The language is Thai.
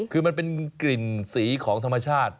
คือมันเป็นกลิ่นสีของธรรมชาติ